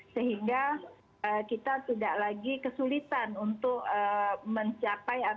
sehingga kita tidak lagi kesulitan untuk mencapai